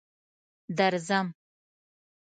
درځم.